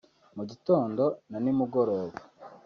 mu gitondo na nimugoroba